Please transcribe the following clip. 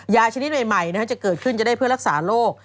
ชนิดใหม่จะเกิดขึ้นจะได้เพื่อรักษาโรค